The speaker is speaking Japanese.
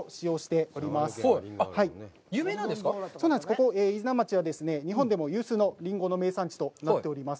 ここ飯綱町は日本でも有数のリンゴの名産地となっています。